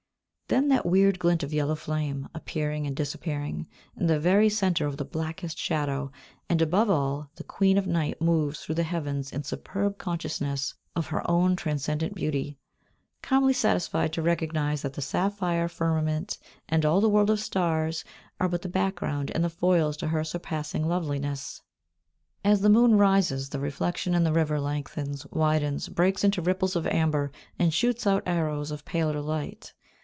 Then that weird glint of yellow flame, appearing and disappearing, in the very centre of the blackest shadow, and, above all, the Queen of Night moves through the heavens in superb consciousness of her own transcendent beauty, calmly satisfied to recognise that the sapphire firmament, and all the world of stars, are but the background and the foils to her surpassing loveliness. As the moon rises, the reflection in the river lengthens, widens, breaks into ripples of amber, and shoots out arrows of paler light.